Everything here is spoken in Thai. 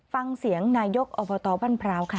ฟังเสียงนายกอบันพราวค่ะ